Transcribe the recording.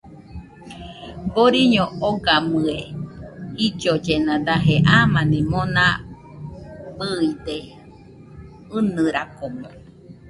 Boriño ogamɨe jillollena daje amani mona bɨide, ɨnɨrakomo